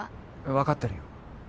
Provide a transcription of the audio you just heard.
わかってるよ。